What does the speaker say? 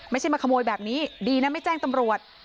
ไม่ใช่มาขโมยแบบนี้ดีนะไม่แจ้งตำรวจ